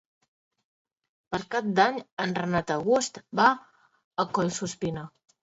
Per Cap d'Any en Renat August va a Collsuspina.